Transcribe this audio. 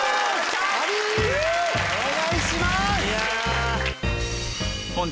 お願いします！